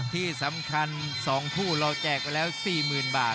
ที่สำคัญ๒คู่เราแจกไปแล้ว๔๐๐๐บาท